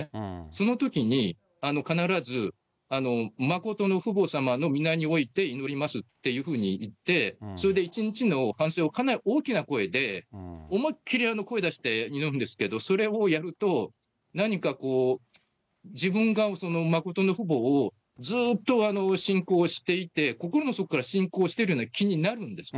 そのときに、必ずまことの父母様の皆において祈りますって言って、そして一日の反省をかなり大きな声で思いっ切り声出して祈るんですけど、それをやると何かこう、自分がまことの父母をずーっと信仰していて、心の底から信仰しているような気になるんです。